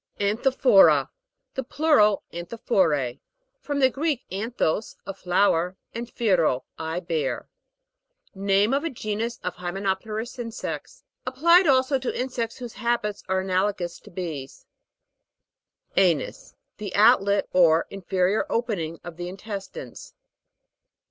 ANTHOPHO'RA. In the plural, antho phorae. From the Greek, anthos, a flower, and phero, I bear. Name of a genus of hyinenopterous in sects. Applied also to insects whose habits are analogous to bees. A'NUS. The outlet or inferior open ing of the intestines.